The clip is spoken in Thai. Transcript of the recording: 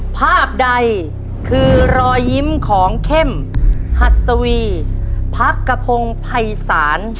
ภาพใดคือรอยยิ้มของเข้มหัสวีพักกระพงภัยศาล